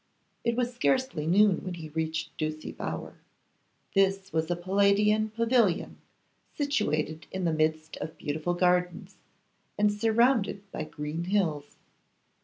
It was scarcely noon when he reached Ducie Bower. This was a Palladian pavilion, situated in the midst of beautiful gardens, and surrounded by green hills.